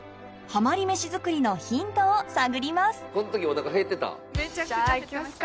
ハマり飯作りのヒントを探ります